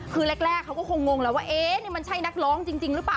คือแรกเขาก็คงงแล้วว่าเอ๊ะนี่มันใช่นักร้องจริงหรือเปล่า